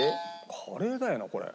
カレーだよなこれ。